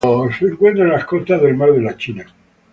Se encuentra en las costas del Mar de la China.